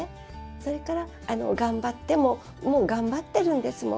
それからもう頑張ってるんですもん。